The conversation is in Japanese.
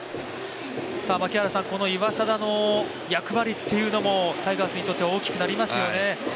この岩貞の役割というのも、タイガースにとっては大きくなりますよね。